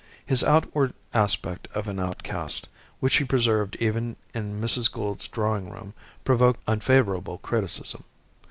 His outward aspect of an outcast, which he preserved even in Mrs. Gould's drawing room, provoked unfavourable criticism.